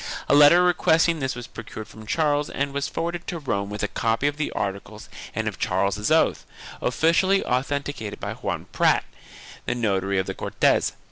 A letter requesting this was procured from Charles and was forwarded to Rome with a copy of the articles and of Charles's oath, officially authenticated by Juan Prat, the notary of the Cortes.